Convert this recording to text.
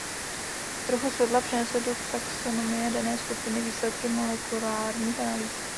Trochu světla přinesly do taxonomie dané skupiny výsledky molekulárních analýz.